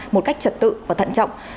một cách trật tự và thận trọng